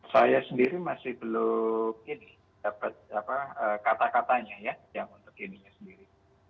saya sendiri masih belum ini dapat kata katanya ya yang untuk ininya sendiri